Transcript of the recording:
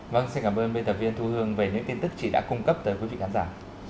vâng xin cảm ơn biên tập viên thu hương về những tin tức chị đã cung cấp tới quý vị khán giả